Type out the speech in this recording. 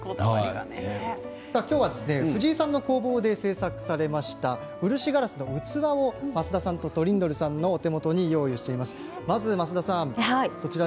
今日は藤井さんの工房で制作されました漆ガラスの器を増田さんとトリンドルさんのお手元にご用意しています。